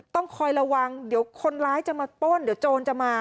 ต้องคอยระวังเดี๋ยวคนร้ายจะมาป้นเดี๋ยวโจรจะมา